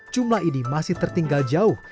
jumlah ini masih tertinggal jauh